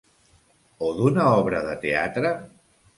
O d’una obra de teatre?